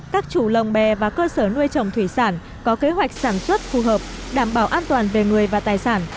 các chủ lồng bè và cơ sở nuôi trồng thủy sản có kế hoạch sản xuất phù hợp đảm bảo an toàn về người và tài sản